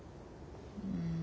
うん。